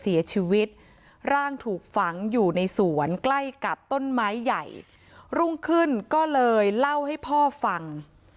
เสียชีวิตร่างถูกฝังอยู่ในสวนใกล้กับต้นไม้ใหญ่รุ่งขึ้นก็เลยเล่าให้พ่อฟัง